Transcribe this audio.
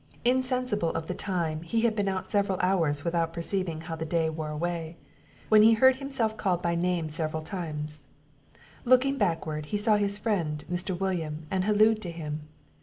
Insensible of the time, he had been out several hours without perceiving how the day wore away, when he heard himself called by name several times; looking backward, he saw his friend Mr. William, and hallooed to him.